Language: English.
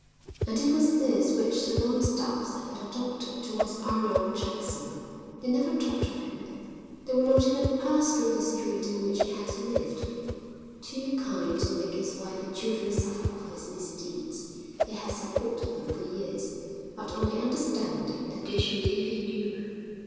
And it was this which the Longstaffes had adopted towards Arnold Jackson. They never talked of him. They would not even pass through the street in which he had lived. Too kind to make his wife and children suffer for his misdeeds, they had supported them for years, but on the understanding that they should live in Europe.